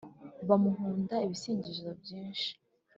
bamuhunda ibisingizo byishi